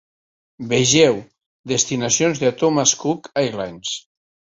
"Vegeu: destinacions de Thomas Cook Airlines"